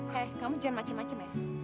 hei kamu jangan macem macem ya